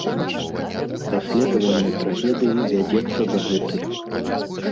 Расследаванне трагедыі вядзецца дагэтуль.